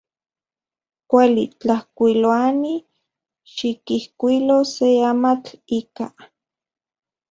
Kuali. Tlajkuiloani, xikijkuilo se amatl ika.